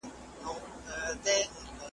نو ذهن خلاصېږي.